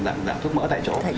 dạng thuốc mỡ tại chỗ